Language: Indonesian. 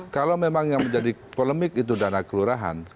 kalau memang yang menjadi polemik itu dana kelurahan